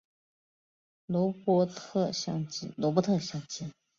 罗伯特像机。